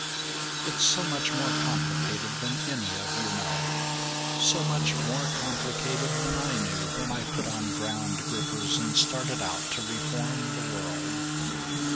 "It's so much more complicated than any of you know so much more complicated than I knew when I put on Ground Grippers and started out to reform the world.